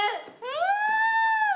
うわ！